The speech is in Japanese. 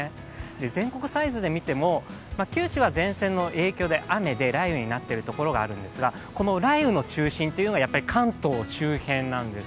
全国サイズで見ても九州は前線の影響で雨で雷雨になっている所があるんですがこの雷雨の中心は、やはり関東周辺なんです。